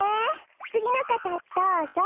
つぎのかたどうぞ。